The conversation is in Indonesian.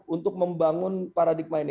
untuk membangun paradigma ini